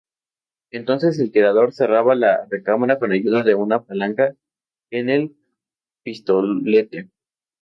Entonces el tirador cerraba la recámara con ayuda de una palanca en el pistolete.